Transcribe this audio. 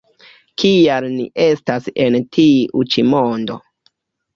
Kial ni estas en tiu ĉi mondo?